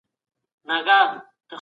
آیا د مسمومیت درملنه ډېر وخت نیسي؟